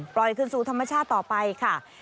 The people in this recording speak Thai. ปล่อยขึ้นสู่ธรรมชาติต่อไปค่ะ